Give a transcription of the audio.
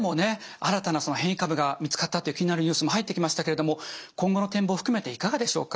新たな変異株が見つかったっていう気になるニュースも入ってきましたけれども今後の展望含めていかがでしょうか？